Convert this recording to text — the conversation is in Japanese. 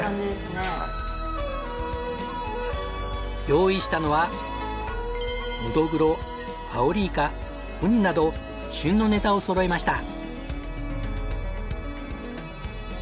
用意したのはノドグロアオリイカウニなど旬のネタをそろえました。